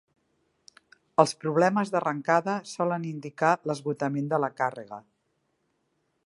Els problemes d'arrencada solen indicar l'esgotament de la càrrega.